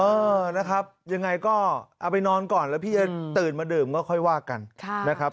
เออนะครับยังไงก็เอาไปนอนก่อนแล้วพี่จะตื่นมาดื่มก็ค่อยว่ากันนะครับ